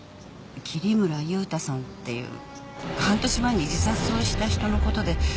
桐村祐太さんっていう半年前に自殺をした人のことで話があるって。